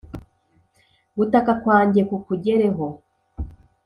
Gutaka kwanjye kukugereho